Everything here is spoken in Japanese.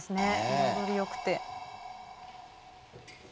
彩りよくて。